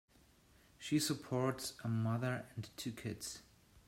She supports a mother and two kids.